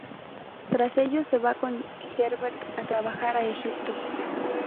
Tras ello se va con Herbert a trabajar a Egipto.